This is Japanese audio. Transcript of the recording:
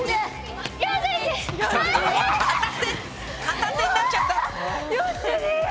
片手になっちゃった。